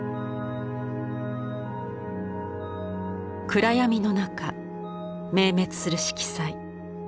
暗闇の中明滅する色彩。